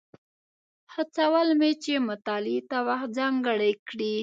هڅول مې چې مطالعې ته وخت ځانګړی کړي.